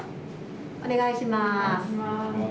お願いします。